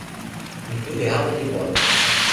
mi tu li awen li pona.